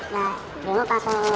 nah berimok langsung bantuin